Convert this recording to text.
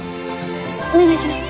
お願いします。